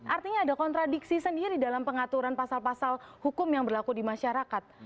artinya ada kontradiksi sendiri dalam pengaturan pasal pasal hukum yang berlaku di masyarakat